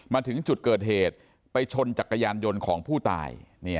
มาถึงจุดเกิดเหตุไปชนจักรยานยนต์ของผู้ตาย